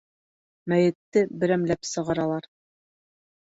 Мәйетте берәмләп сығаралар.